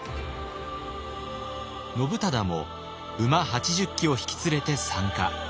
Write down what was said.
信忠も馬８０騎を引き連れて参加。